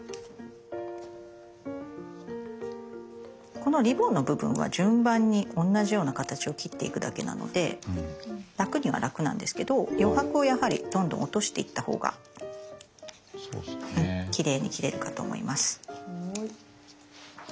このリボンの部分は順番に同じような形を切っていくだけなので楽には楽なんですけど余白をやはりどんどん落としていったほうがきれいに切れるかと思います。